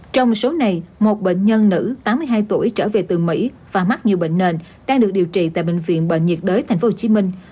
trong số này một bệnh nhân nữ tám mươi hai tuổi trở về từ mỹ và mắc nhiều bệnh nền đang được điều trị tại bệnh viện bệnh nhiệt đới tp hcm